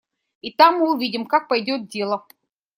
И там мы увидим, как пойдет дело.